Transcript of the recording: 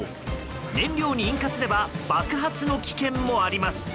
燃料に引火すれば爆発の危険もあります。